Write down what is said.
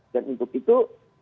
dan untuk itu